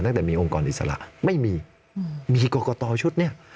ตั้งแต่มีองค์กรอิสระไม่มีมีกรกตชุดนี้